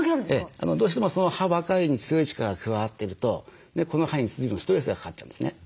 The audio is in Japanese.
どうしてもその歯ばかりに強い力が加わってるとこの歯に随分ストレスがかかっちゃうんですね。